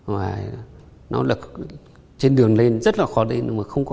và nó là trên đường lên rất là khó lên